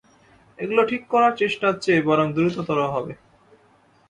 এগুলো ঠিক করার চেষ্টার চেয়ে বরং দ্রুততর হবে।